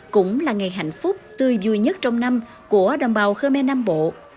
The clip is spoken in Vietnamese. cũng là ngày hạnh phúc tươi vui nhất trong năm của đồng bào khmer nam bộ